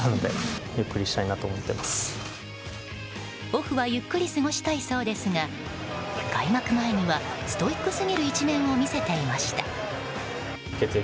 オフはゆっくり過ごしたいそうですが開幕前にはストイックすぎる一面を見せていました。